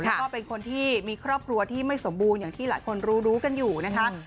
แล้วก็เป็นคนที่มีครอบครัวที่ไม่สมบูรณ์อย่างที่หลายคนรู้รู้กันอยู่นะคะ